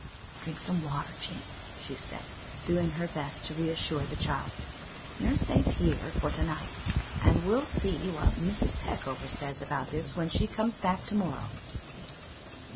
'Drink some water, Jane,' she said, doing her best to reassure the child. 'You're safe for to night, and we'll see what Mrs. Peckover says about this when she comes back to morrow.